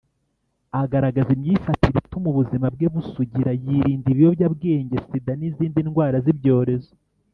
agaragaza imyifatire ituma ubuzima bwe busugira yirinda ibiyobyabwenge, sida n’izindi ndwara z’ibyorezo;